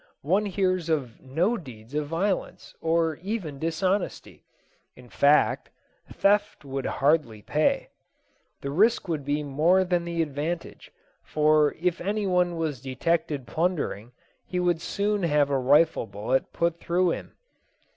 One hears of no deeds of violence, or even dishonesty. In fact, theft would hardly pay. The risk would be more than the advantage; for if any one was detected plundering, he would soon have a rifle bullet put through him.